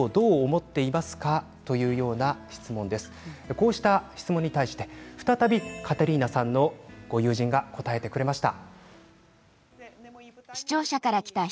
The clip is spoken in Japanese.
こうした質問に対して再びカテリーナさんのご友人が答えてくれました。